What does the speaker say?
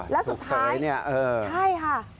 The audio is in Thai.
แล้วสุดท้ายใช่ค่ะ